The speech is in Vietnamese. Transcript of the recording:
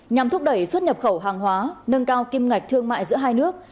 nhằm thúc đẩy xuất nhập khẩu hàng hóa nâng cao kim ngạch thương mại giữa hai nước